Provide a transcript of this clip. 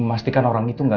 mene uzain yang kaya